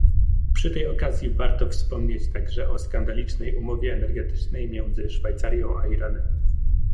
Przy tej okazji warto wspomnieć także o skandalicznej umowie energetycznej między Szwajcarią a Iranem